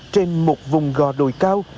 trên một vùng gò đồi cao